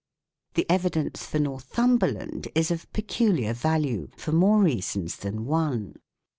The evidence for Northumberland is of peculiar value for more reasons than one.